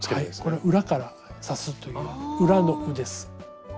これは裏から刺すという裏の「う」です。